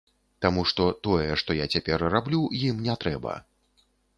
Таму што тое, што я цяпер раблю, ім не трэба.